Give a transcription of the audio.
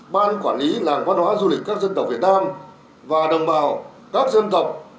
ban quản lý làng văn hóa du lịch các dân tộc việt nam và đồng bào các dân tộc